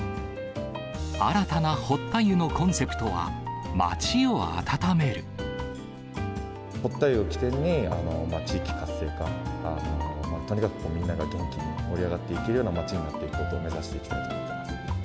新たな堀田湯のコンセプトは、堀田湯を起点に、地域活性化、とにかくみんなが元気に盛り上がっていけるような町になっていくことを目指していきたいと思います。